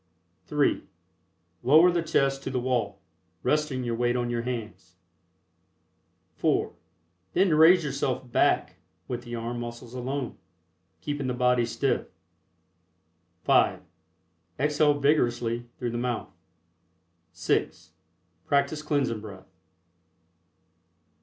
(3) Lower the chest to the wall, resting your weight on your hands. (4) Then raise yourself back with the arm muscles alone, keeping the body stiff. (5) Exhale vigorously through the mouth. (6) Practice Cleansing Breath.